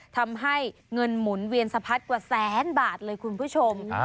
ทำให้เงินหมุนเวียนสะพัดกว่าแสนบาทเลยคุณผู้ชม